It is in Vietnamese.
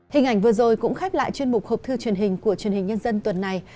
hình ảnh vừa rồi cũng khép lại chuyên mục hộp thư truyền hình của truyền hình nhân dân tuần này